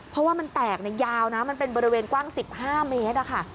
เพราะว่ามันแตกยาวนะมันเป็นบริเวณกว้าง๑๕เมตรอะค่ะ